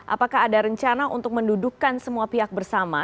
apakah ada rencana untuk mendudukan semua pihak bersama